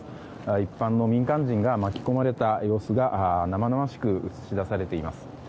一般の民間人が巻き込まれた様子が生々しく映し出されています。